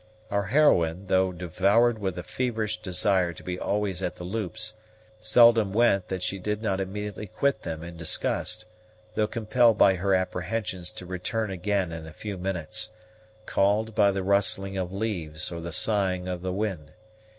Our heroine, though devoured with a feverish desire to be always at the loops, seldom went that she did not immediately quit them in disgust, though compelled by her apprehensions to return again in a few minutes, called by the rustling of leaves, or the sighing of the wind.